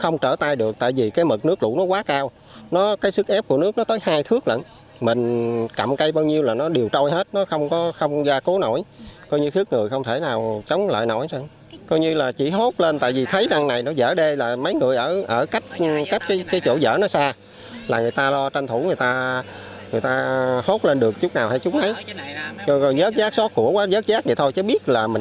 người ta hốt lên được chút nào hay chúng ấy rồi dớt giác xót của quá dớt giác vậy thôi chứ biết là mình cũng không ăn được tại vì lúa nó mới có vừa vô gạo rồi